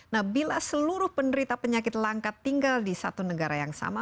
nah bila seluruh penderita penyakit langka tinggal di satu negara yang sama